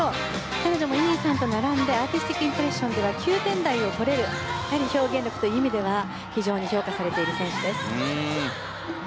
彼女も乾さんと並んでアーティスティックインプレッションで９点台を取れる表現力という意味では非常に評価されている選手です。